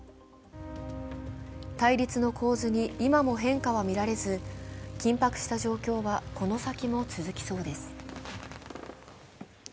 対立の構図に今も変化は見られず、緊迫した状況はこの先も続きそうです。